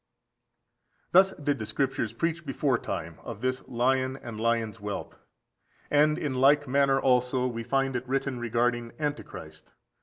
14. Thus did the Scriptures preach before time of this lion and lion's whelp. And in like manner also we find it written regarding Antichrist.